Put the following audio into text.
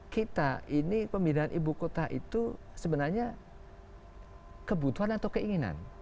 kita ini pemindahan ibu kota itu sebenarnya kebutuhan atau keinginan